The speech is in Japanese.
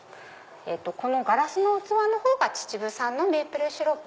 ガラスの器の方が秩父産のメープルシロップ。